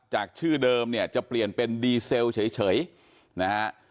จากชื่อเดิมเนี่ยจะเปลี่ยนเป็นดีเซลเฉยนะฮะ